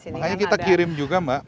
makanya kita kirim juga mbak